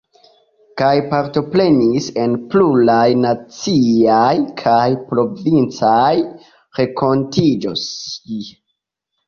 Kaj partoprenis en pluraj naciaj kaj provincaj renkontiĝoj.